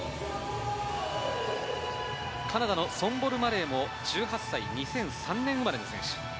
カナダのソンボル・マレーも１８歳、２００３年生まれの選手。